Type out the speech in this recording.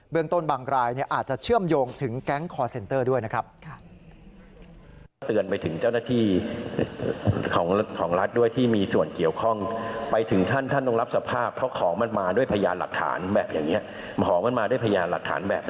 บางต้นบางรายอาจจะเชื่อมโยงถึงแก๊งคอร์เซ็นเตอร์ด้วยนะครับ